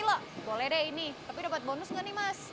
rp tiga puluh boleh deh ini tapi dapat bonus gak nih mas